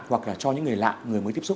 hoặc là cho nhân dân